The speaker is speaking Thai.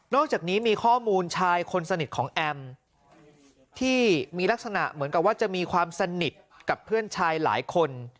อกจากนี้มีข้อมูลชายคนสนิทของแอมที่มีลักษณะเหมือนกับว่าจะมีความสนิทกับเพื่อนชายหลายคน